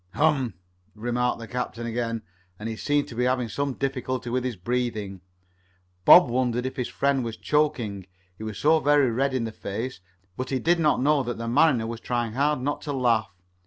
"Hum," remarked the captain again, and he seemed to be having some difficulty with his breathing. Bob wondered if his friend was choking, he was so very red in the face, but he did not know that the mariner was trying hard not to laugh.